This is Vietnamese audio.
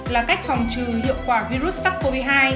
là cách phòng trừ hiệu quả virus sars cov hai